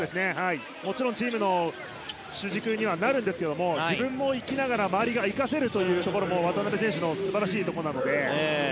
もちろんチームの主軸にはなりますが自分も生きながら周りが生かせるところも渡邊選手の素晴らしいところなので。